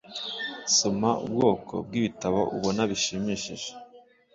Soma ubwoko bwibitabo ubona bishimishije.